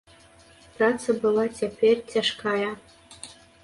Праца была цяпер цяжкая.